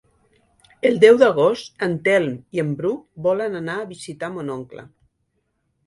El deu d'agost en Telm i en Bru volen anar a visitar mon oncle.